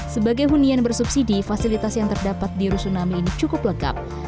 sebagai hunian bersubsidi fasilitas yang terdapat di rusunami ini cukup lengkap